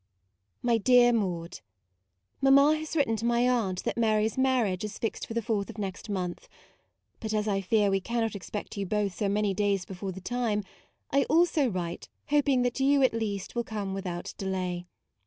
My Dear Maude, MAMMA has written to my aunt that Mary's mar riage is fixed for the 4th of next month: but as I fear we cannot expect you both so many days before the time, I also write, hoping that you at least will come without delay.